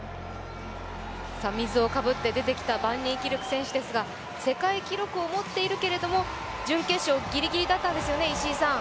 水をかぶって出てきたバンニーキルク選手ですが、世界記録を持っているけれども準決勝ぎりぎりだったんですよね。